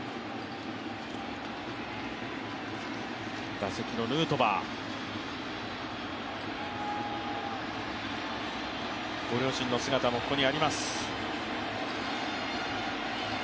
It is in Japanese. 打席のヌートバー、ご両親の姿もここにあります。